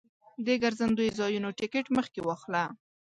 د ګرځندوی ځایونو ټکټ مخکې واخله.